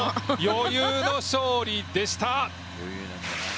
余裕の勝利でした。